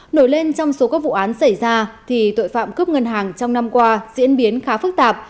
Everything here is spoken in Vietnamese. nổi lên trong số các vụ án xảy ra thì tội phạm cướp ngân hàng trong năm qua diễn biến khá phức tạp